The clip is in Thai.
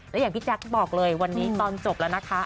แล้วอย่างพี่แจ๊คบอกเลยวันนี้ตอนจบแล้วนะคะ